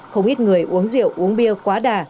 không ít người uống rượu uống bia quá đà